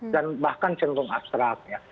dan bahkan centung abstrak ya